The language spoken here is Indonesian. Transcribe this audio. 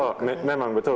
oh memang betul